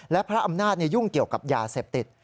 และพระอำนาจยุ่งเกี่ยวกับยาเสพติด